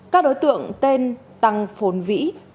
các đối tượng tên tăng phồn vĩ